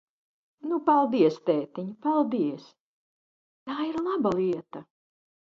Nu, paldies, tētiņ, paldies! Tā ir laba lieta!